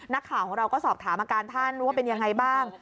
นักข่าวของเราก็สอบถามอาการท่านว่าเป็นยังไงบ้าง